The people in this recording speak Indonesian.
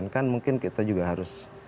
kan mungkin kita juga harus